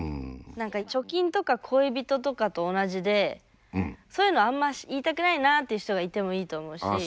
何か貯金とか恋人とかと同じでそういうのをあんまし言いたくないなっていう人がいてもいいと思うし。